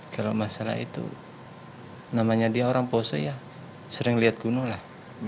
kalau masalah itu namanya dia orang poso ya sering lihat kuno lah